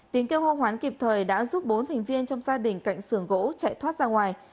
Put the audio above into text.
tiếng kêu hô hoán kịp thời đã giúp bốn thành viên trong gia đình cạnh sường gỗ chạy thoát ra ngoài